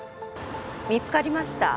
見つかりました？